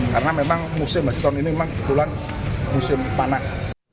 karena memang musim haji tahun ini memang kebetulan musim panas